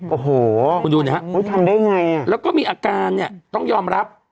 โอ้โหทำได้อย่างไรคุณยูนนะครับแล้วก็มีอาการต้องยอมรับ